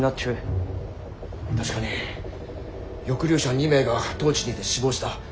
確かに抑留者２名が当地にて死亡した。